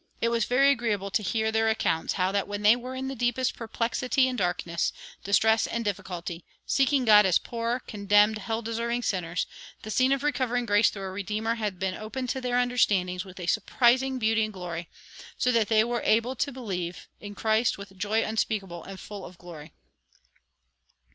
It was very agreeable to hear their accounts how that when they were in the deepest perplexity and darkness, distress and difficulty, seeking God as poor, condemned, hell deserving sinners, the scene of recovering grace through a Redeemer has been opened to their understandings with a surprising beauty and glory, so that they were enabled to believe in Christ with joy unspeakable and full of glory."